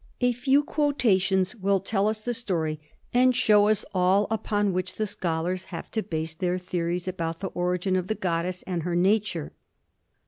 A few quotations will tell us the story and show us all upon which the scholars have to base their theories about the origin of the goddess and her nature.